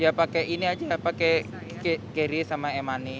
ya pakai ini aja pakai qris sama e money